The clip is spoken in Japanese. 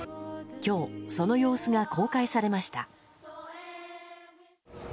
今日、その様子が公開されました。